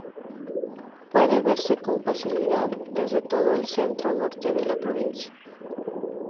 Puede verse con facilidad desde todo el centro norte de la provincia.